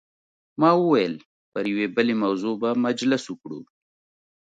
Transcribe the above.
ما وویل پر یوې بلې موضوع به مجلس وکړو.